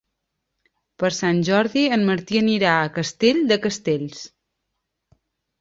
Per Sant Jordi en Martí anirà a Castell de Castells.